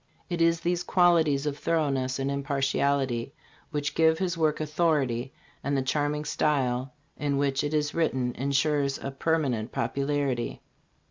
It is these qualities of thoroughness and impartiality which give his work authority, and the charming style in which it is written insures a permanent popularity."